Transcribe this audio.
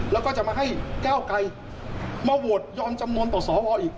แล้วก็จะมาให้ก้าวไกลมาโหวตยอมจำนวนต่อสวอีก